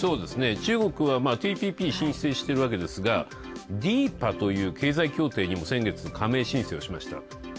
中国はＴＰＰ申請しているわけですがＤＥＰＡという経済協定にも先月、加盟申請をしました。